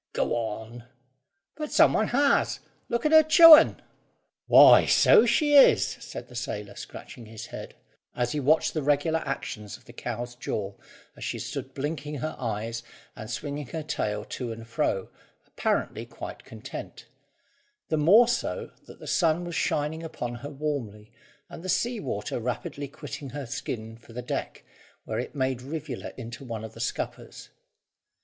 "Go on." "But some one has. Look at her chewing." "Why, so she is!" said the sailor, scratching his head, as he watched the regular actions of the cow's jaw, as she stood blinking her eyes, and swinging her tail to and fro, apparently quite content; the more so, that the sun was shining upon her warmly, and the sea water rapidly quitting her skin for the deck, where it made a rivulet into one of the scuppers.